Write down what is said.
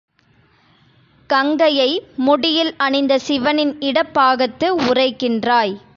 கங்கையை முடியில் அணிந்த சிவனின் இடப்பாகத்து உறைகின்றாய்.